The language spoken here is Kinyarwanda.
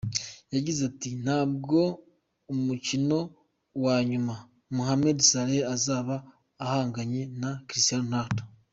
Yagize ati “Ntabwo umukino wa nyuma Mohamed Salah azaba ahanganye na Cristiano Ronaldo.